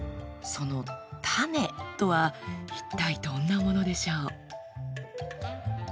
その種とは一体どんなものでしょう？